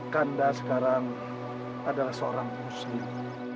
kanda sekarang adalah seorang muslim